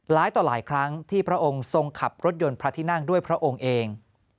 ต่อหลายครั้งที่พระองค์ทรงขับรถยนต์พระที่นั่งด้วยพระองค์เอง